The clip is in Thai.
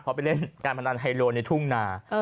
เพราะไปเล่นการพนันไฮโลในทุ่งนา